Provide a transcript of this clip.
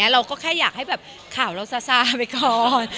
เราก็แค่อยากให้แบบข่าวเราซาซาไปก่อน